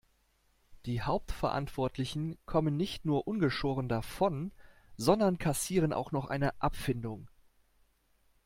Die Hauptverantwortlichen kommen nicht nur ungeschoren davon, sondern kassieren auch noch eine Abfindung.